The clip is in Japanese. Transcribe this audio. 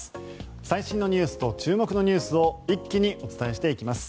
最新のニュースと注目ニュースを一気にお伝えしていきます。